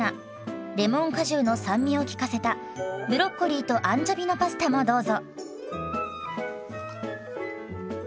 レモン果汁の酸味を効かせたブロッコリーとアンチョビのパスタもどうぞ。